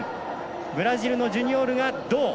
ブラジルのジュニオルが銅。